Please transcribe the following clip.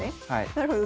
なるほど。